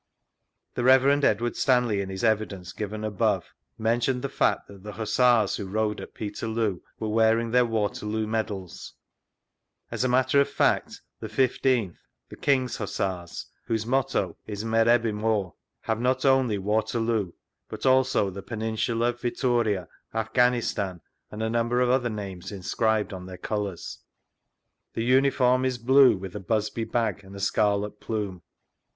The Rev. Edward Stanley, in his Evidence, given above, mentioned the fact that the Hussars who rode at Peterloo were wearing tUeir Waterioo medals. As a matter of fact, the 1 5th (the King's) Hussars, whose motto is "Merebimur," have not only " Waterloo," but also the Peninsula, Vittoria, Afghanistan and a number <rf other names in scribed <m thdt colours. The uniform is blue, with a Busby bag and scarlet plume.